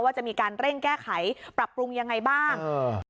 ว่าจะมีการเร่งแก้ไขปรับปรุงยังไงบ้าง